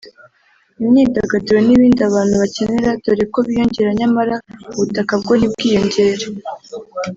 imyidagaduro n’ibindi abantu bakenera dore ko biyongera nyamara ubutaka bwo ntibwiyongere